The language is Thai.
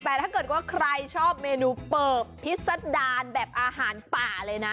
แต่ถ้าเกิดว่าใครชอบเมนูเปิบพิษดารแบบอาหารป่าเลยนะ